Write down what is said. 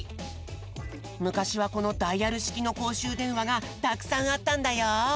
むかしはこのダイヤルしきのこうしゅうでんわがたくさんあったんだよ。